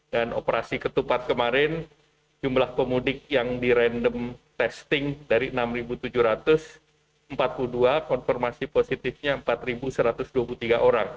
dan operasi ketupat kemarin jumlah pemudik yang di random testing dari enam tujuh ratus empat puluh dua konformasi positifnya empat satu ratus dua puluh tiga orang